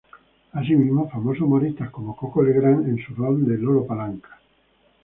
Asimismo, famosos humoristas, como Coco Legrand en su rol del ""Lolo Palanca"".